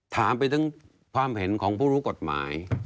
ถามไปถึงความเห็นของผู้รู้กฎหมาย